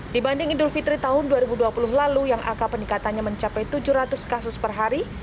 dibanding idul fitri tahun dua ribu dua puluh lalu yang angka peningkatannya mencapai tujuh ratus kasus per hari